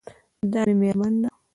دا مې میرمن ده